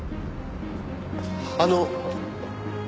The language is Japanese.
あの。